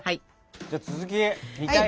じゃあ続き見たいな。